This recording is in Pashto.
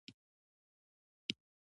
تاریخ د خپل ولس د ژوندانه انځور دی.